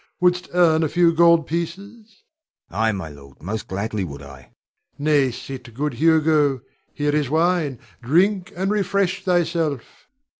Wouldst earn a few gold pieces? Hugo. Ay, my lord, most gladly would I. Rod. Nay, sit, good Hugo. Here is wine; drink, and refresh thyself.